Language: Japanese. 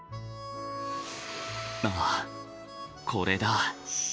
ああこれだ。